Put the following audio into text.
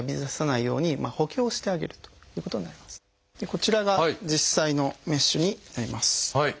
こちらが実際のメッシュになります。